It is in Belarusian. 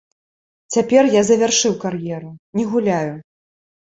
Цяпер я завяршыў кар'еру, не гуляю.